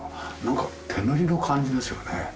なんか手塗りの感じですよね。